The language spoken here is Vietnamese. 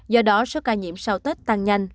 do đó số ca nhiễm sau tết tăng nhanh